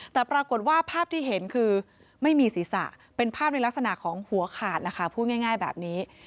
แต่ปรากฏว่าภาพที่เห็นคือไม่มีศีรษะเป็นภาพในลักษณะของหัวขาดนะคะพูดง่ายแบบนี้